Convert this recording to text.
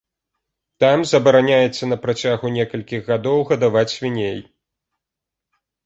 Там забараняецца на працягу некалькіх гадоў гадаваць свіней.